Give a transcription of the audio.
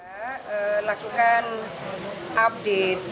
kami akan melakukan update